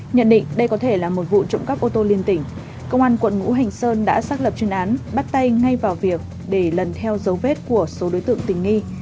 nhận định đây có thể là một vụ trộm cắp ô tô liên tỉnh công an quận ngũ hành sơn đã xác lập chuyên án bắt tay ngay vào việc để lần theo dấu vết của số đối tượng tình nghi